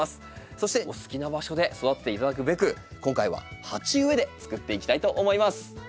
そしてお好きな場所で育てていただくべく今回は鉢植えでつくっていきたいと思います。